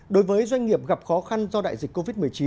đối với doanh nghiệp gặp khó khăn do đại dịch covid một mươi chín